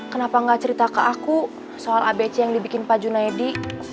kenapa gak cerita ke aku soal abc yang dibikin pak junaidi